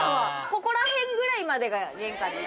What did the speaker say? ここら辺ぐらいまでが玄関です。